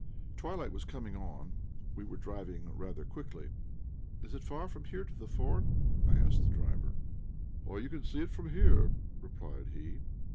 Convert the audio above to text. Twilight was coming on; we were driving rather quickly. "Is it far from here to the fort?" I asked the driver. "Why, you can see it from here," replied he.